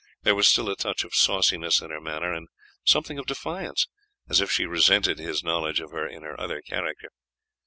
There was still a touch of sauciness in her manner, and something of defiance, as if she resented his knowledge of her in her other character.